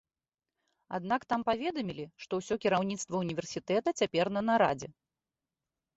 Аднак там паведамілі, што ўсё кіраўніцтва ўніверсітэта цяпер на нарадзе.